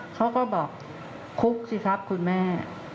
เขาก็บอกคุกสิครับคุณแม่